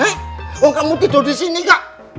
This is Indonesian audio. eh oh kamu tidur disini gak